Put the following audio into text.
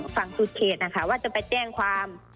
ฝั่งสูตรเขตนะคะว่าจะไปแจ้งความ